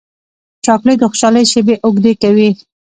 چاکلېټ د خوشحالۍ شېبې اوږدې کوي.